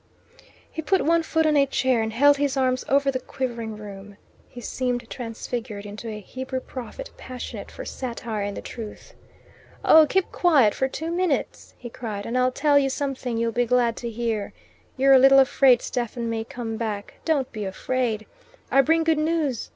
He put one foot on a chair and held his arms over the quivering room. He seemed transfigured into a Hebrew prophet passionate for satire and the truth. "Oh, keep quiet for two minutes," he cried, "and I'll tell you something you'll be glad to hear. You're a little afraid Stephen may come back. Don't be afraid. I bring good news.